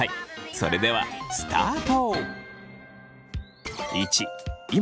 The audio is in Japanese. それではスタート！